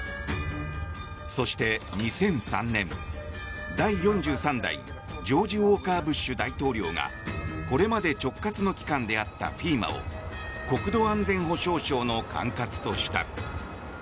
そして２００３年、第４３代ジョージ・ウォーカー・ブッシュ大統領がこれまで直轄の機関であったＦＥＭＡを国土安全保障省の管轄とした。